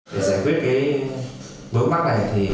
để giải quyết bước mắt này